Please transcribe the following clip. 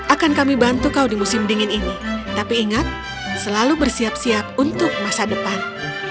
akan kami bantu kau di musim dingin ini tapi ingat selalu bersiap siap untuk masa depan